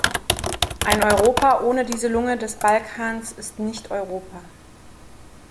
Ein Europa ohne diese Lunge des Balkans ist nicht Europa.